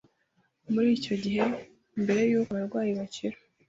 muri icyo gihe mbere yuko abarwayi bakira,